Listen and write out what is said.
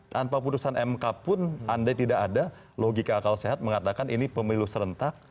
tanpa putusan mk pun andai tidak ada logika akal sehat mengatakan ini pemilu serentak